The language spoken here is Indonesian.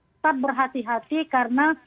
tetap berhati hati karena